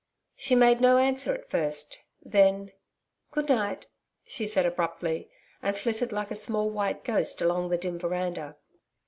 She made no answer at first. Then 'Good night,' she said abruptly, and flitted like a small white ghost along the dim veranda.